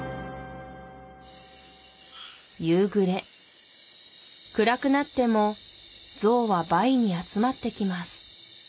夕暮れ暗くなってもゾウはバイに集まってきます